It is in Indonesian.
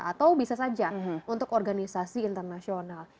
atau bisa saja untuk organisasi internasional